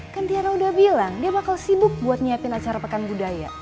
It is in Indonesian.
kan tiana udah bilang dia bakal sibuk buat nyiapin acara pekan budaya